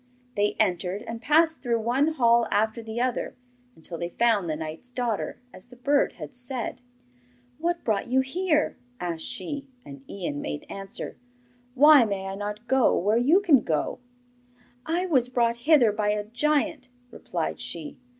They entered and passed through one hall after the other, until they found the knight's daughter, as the bird had said. 'What brought you here?' asked she. And Ian made answer: 'Why may I not go where you can go?' 'I was brought hither by a giant,' replied she.